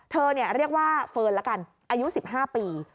เรียกว่าเฟิร์นละกันอายุ๑๕ปี